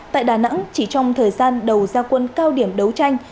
tại đà nẵng chỉ trong thời gian đầu gia quân cao điểm đấu tranh